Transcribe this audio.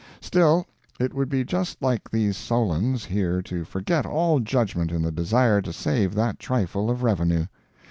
Still, it would be just like these Solons here to forget all judgment in the desire to save that trifle of revenue.